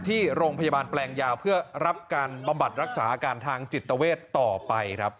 ที่โรงพยาบาลแปลงยาวเพื่อรับการบำบัดรักษาอาการทางจิตเวทต่อไปครับ